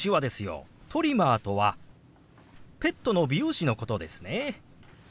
トリマーとはペットの美容師のことですね。